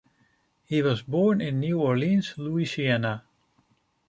He was born in New Orleans, Louisiana.